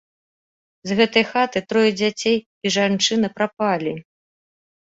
З гэтай хаты трое дзяцей і жанчына прапалі.